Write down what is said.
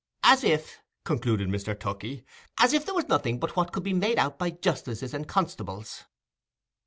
"As if," concluded Mr. Tookey—"as if there was nothing but what could be made out by justices and constables."